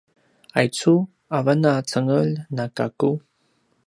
aicu avan a cengelj na gaku?